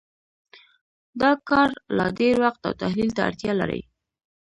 دا کار لا ډېر دقت او تحلیل ته اړتیا لري.